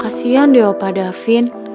kasian deh opa davin